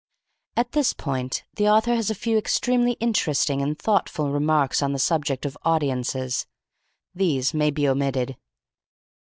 At this point the author has a few extremely interesting and thoughtful remarks on the subject of audiences. These may be omitted.